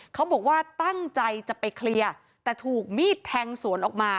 เขาบอกว่าตั้งใจจะไปเคลียร์แต่ถูกมีดแทงสวนออกมา